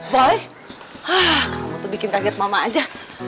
boy kamu tuh bikin kaget mama aja